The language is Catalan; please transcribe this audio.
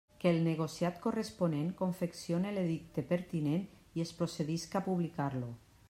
Que el negociat corresponent confeccione l'edicte pertinent i es procedisca a publicar-lo.